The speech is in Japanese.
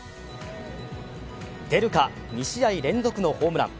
出るか、２試合連続のホームラン。